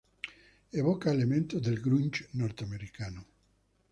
Evoca elementos del grunge norteamericano.